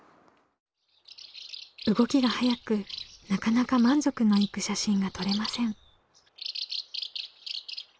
動きが速くなかなか満足のいく写真が撮れません。